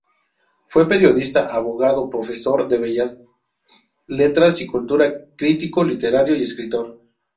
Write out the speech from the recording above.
Fue periodista, abogado, profesor de bellas letras y cultura, crítico literario y escritor.